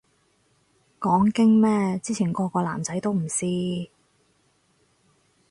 講經咩，之前個個男仔都唔試